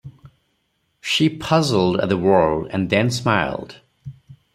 She puzzled at the word, and then smiled.